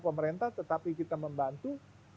pemerintah tetapi kita membantu